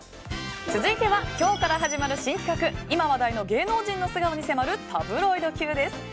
続いては今日から始まる新企画今話題の芸能人の素顔に迫るタブロイドＱです。